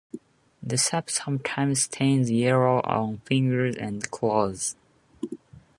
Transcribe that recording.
The sap sometimes stains yellow on fingers and clothes.